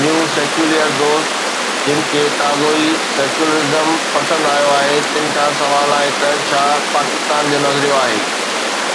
”نيو secular دوست“ جن کي تازو ئي سيڪيولرزم پسند آيو آهي، تن کان سوال آهي ته ڇا پاڪستان جو نظريو آهي؟